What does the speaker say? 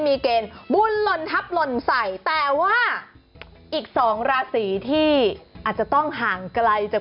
เป็นสถานที่น่าจะดีกว่าครับ